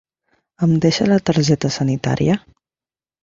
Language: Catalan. Em deixa la targeta sanitària?